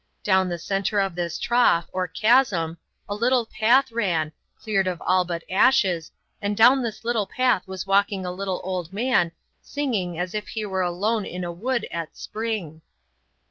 Down the centre of this trough, or chasm, a little path ran, cleared of all but ashes, and down this little path was walking a little old man singing as if he were alone in a wood in spring.